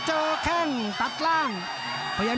ภูตวรรณสิทธิ์บุญมีน้ำเงิน